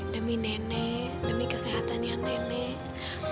demi nenek demi kesehatannya nenek